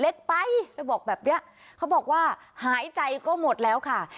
เล็กไปเธอบอกแบบเนี้ยเขาบอกว่าหายใจก็หมดแล้วค่ะ